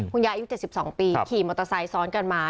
ยายอายุ๗๒ปีขี่มอเตอร์ไซค์ซ้อนกันมา